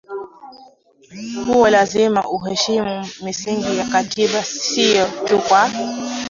huo lazima aheshimu misingi ya katiba sio tu kwa